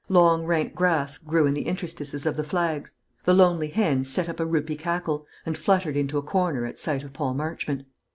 Long rank grass grew in the interstices of the flags. The lonely hen set up a roopy cackle, and fluttered into a corner at sight of Paul Marchmont.